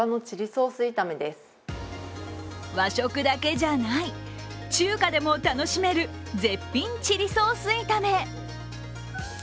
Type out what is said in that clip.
和食だけじゃない、中華でも楽しめる絶品チリソース炒め。